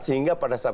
sehingga pada saat